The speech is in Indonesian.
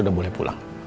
udah boleh pulang